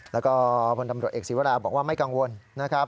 แล้วก็พลตำรวจเอกศีวราบอกว่าไม่กังวลนะครับ